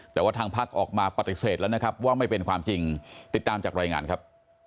แต่ว่าทางพักออกมาปฏิเสธแล้วนะครับว่าไม่เป็นความจริงติดตามจากรายงานครับ